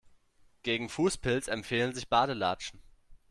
Gegen Fußpilz empfehlen sich Badelatschen.